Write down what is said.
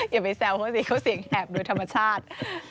อย่าไปแซวธ์ว่าเสียงแหบด้วยธรรมชาติ